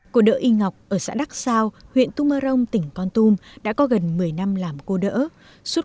cô đỡ y ngọc ở xã đắc sao huyện tung mơ rông tỉnh con tum đã có gần một mươi năm làm cô đỡ suốt